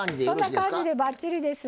そんな感じでばっちりです。